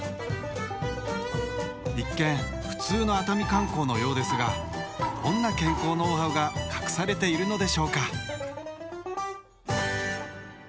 一見普通の熱海観光のようですがどんな健康ノウハウが隠されているのでしょうか。